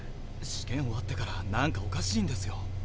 試験終わってからなんかおかしいんですよ。